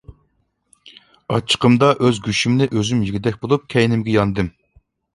ئاچچىقىمدا ئۆز گۆشۈمنى ئۆزۈم يېگۈدەك بولۇپ، كەينىمگە ياندىم.